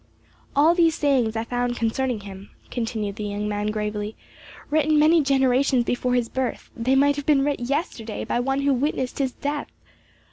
"All these sayings I found concerning him," continued the young man gravely, "written many generations before his birth; they might have been writ yesterday by one who witnessed his death.